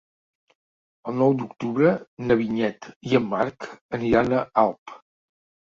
El nou d'octubre na Vinyet i en Marc aniran a Alp.